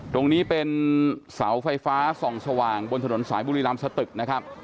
ตรงนี้เป็นเสาไฟฟ้าส่องสว่างบนถนนสายบุรีรำสตึกนะครับ